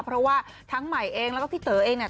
เพราะว่าทั้งใหม่เองแล้วก็พี่เต๋อเองเนี่ย